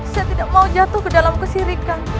saya tidak mau jatuh ke dalam kesirikan